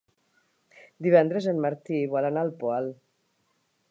Divendres en Martí vol anar al Poal.